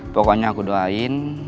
pokoknya aku doain